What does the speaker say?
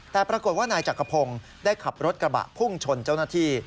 แต่ปรากฏว่านายจักรพงศ์ได้ขับรถกระบะพุ่งชนเจ้าหน้าที่